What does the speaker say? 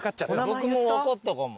僕も分かったかも。